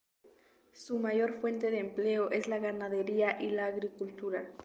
Su mayor fuente de empleo es la ganadería y la agricultura.